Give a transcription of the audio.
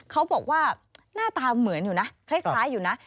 เขาบอกว่าหน้าตาเหมือนอยู่นะคล้ายอยู่นะ